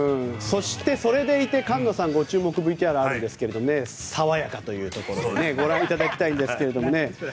それでいて菅野さんのご注目のＶＴＲがあるんですが爽やかということでご覧いただきたいんですけどね。